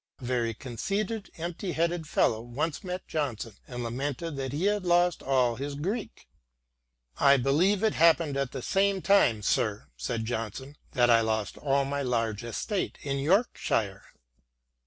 A very conceited, empty headed fellow once met Johnson and lamented that he had lost all his Greek. " I believe it happened at the same time, sir," said Johnson, " that I lost all my large estate in Yorkshire."